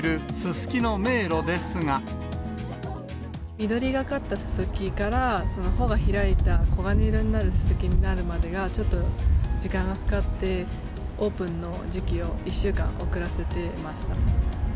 緑がかったススキから、穂が開いた黄金色になるススキになるまでが、ちょっと時間がかかって、オープンの時期を１週間遅らせてました。